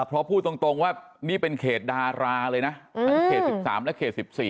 พอพูดตรงว่านี่เป็นเขตดาราเลยนะเกต๑๓แล้วเกต๑๔